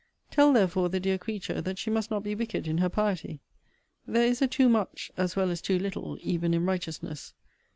Tell, therefore, the dear creature that she must not be wicked in her piety. There is a too much, as well as too little, even in righteousness.